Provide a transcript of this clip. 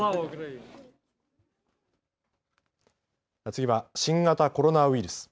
次は新型コロナウイルス。